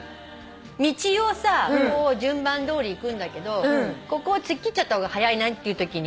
道を順番どおり行くんだけどここを突っ切っちゃった方が早いなっていうときに。